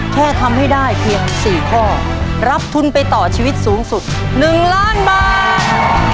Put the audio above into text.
แค่ทำให้ได้เพียง๔ข้อรับทุนไปต่อชีวิตสูงสุด๑ล้านบาท